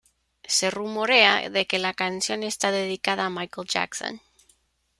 Se rumorea de que la canción está dedicada a Michael Jackson.